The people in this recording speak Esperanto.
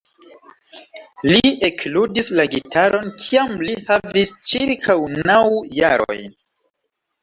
Li ekludis la gitaron kiam li havis ĉirkaŭ naŭ jarojn.